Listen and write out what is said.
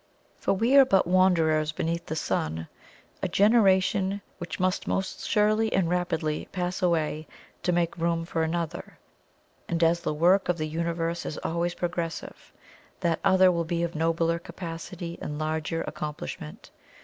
For we are but wanderers beneath the sun; a "generation" which must most surely and rapidly "pass away" to make room for another; and as the work of the Universe is always progressive, that other will be of nobler capacity and larger accomplishment.